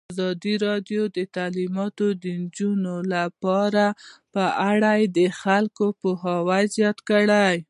ازادي راډیو د تعلیمات د نجونو لپاره په اړه د خلکو پوهاوی زیات کړی.